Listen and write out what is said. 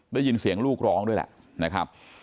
ได้ยินเสียงลูกร้องด้วยแหละนะครับ